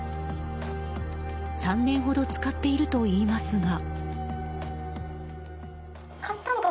３年ほど使っているといいますが。